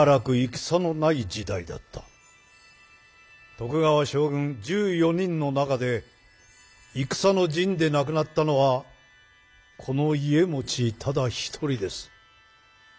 徳川将軍１４人の中で戦の陣で亡くなったのはこの家茂ただ一人です。